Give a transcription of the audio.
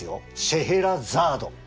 「シェエラザード」！